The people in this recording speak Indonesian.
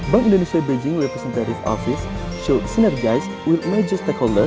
bank indonesia beijing representatif office menunjukkan sinergis dengan pelanggan besar